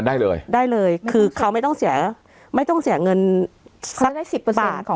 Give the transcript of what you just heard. ได้เลยได้เลยคือเขาไม่ต้องเสียไม่ต้องเสียเงินสักสิบกว่าบาทของ